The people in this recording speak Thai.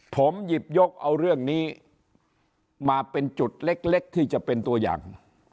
ผมหยิบยกเอาเรื่องนี้มาเป็นจุดเล็กที่จะเป็นตัวอย่าง